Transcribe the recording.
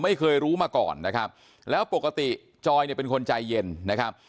ไม่เคยรู้มาก่อนนะครับแล้วปกติจอยเนี่ยเป็นคนใจเย็นนะครับ